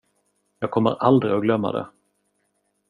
Jag kommer aldrig att glömma det.